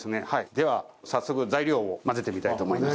では早速材料を混ぜてみたいと思います。